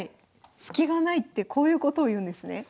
スキがないってこういうことを言うんですね。